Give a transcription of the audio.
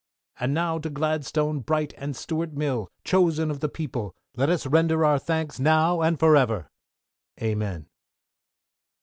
And now to Gladstone, Bright, and Stuart Mill, chosen of the people, let us render our thanks now and for ever! AMEN.